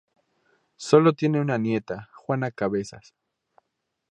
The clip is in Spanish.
Solo tiene una nieta: Juana Cabezas.